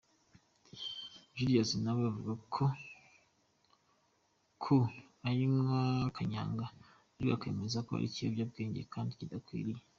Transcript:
Julius na we avuga ko anywa kanyanga, ariko akemeza ko ari ikiyobyabwenge kandi kidakwiriye.